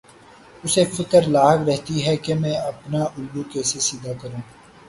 اسے فکر لاحق رہتی ہے کہ میں اپنا الو کیسے سیدھا کروں۔